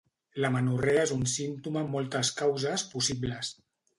L'amenorrea és un símptoma amb moltes causes possibles.